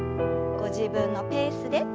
ご自分のペースで。